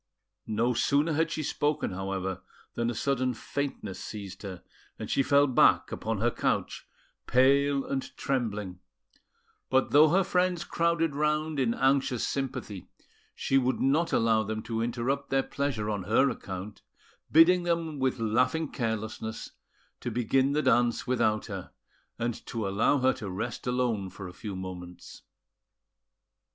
No sooner had she spoken, however, than a sudden faintness seized her, and she fell back upon her couch, pale and trembling; but though her friends crowded round in anxious sympathy, she would not allow them to interrupt their pleasure on her account, bidding them with laughing carelessness to begin the dance without her, and to allow her to rest alone for a few moments.